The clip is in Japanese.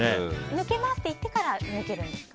抜けますと言ってから抜けるんですか？